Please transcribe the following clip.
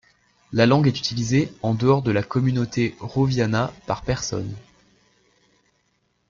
La langue est utilisée, en dehors de la communauté roviana, par personnes.